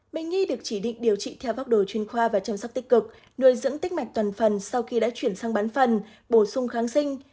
bệnh nhi được chỉ định điều trị theo pháp đồ chuyên khoa và chăm sóc tích cực nuôi dưỡng tích mạch toàn phần sau khi đã chuyển sang bán phần bổ sung kháng sinh